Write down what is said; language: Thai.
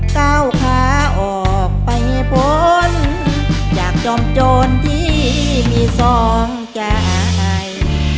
ก้าวขาออกไปพ้นจากจอมโจรที่มีสองใจ